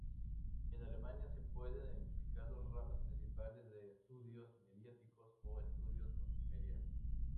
En Alemania se pueden identificar dos ramas principales de estudios mediático o estudios multimedia.